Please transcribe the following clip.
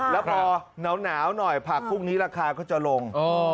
แล้วพอหนาวหน่อยผักพรุ่งนี้ราคาก็จะลง